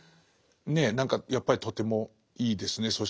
ねえ何かやっぱりとてもいいですね。